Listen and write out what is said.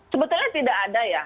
sebenarnya tidak ada ya